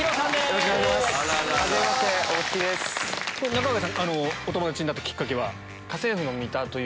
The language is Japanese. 中川さんお友達になったきっかけは？